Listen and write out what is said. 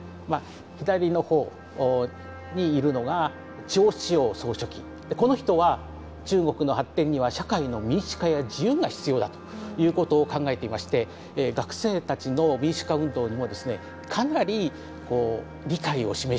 左の方にいるのがこの人は中国の発展には社会の民主化や自由が必要だということを考えていまして学生たちの民主化運動にもですねかなりこう理解を示していた。